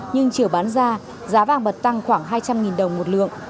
nhưng chiều bán ra giá vàng bật tăng khoảng hai trăm linh đồng một lượng